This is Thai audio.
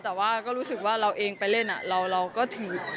แต่ว่าก็รู้สึกว่าเราเองไปเล่นเราก็ถีบ